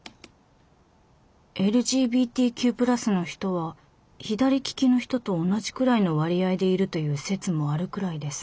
ＬＧＢＴＱの人は左利きの人と同じくらいの割合でいるという説もあるくらいです。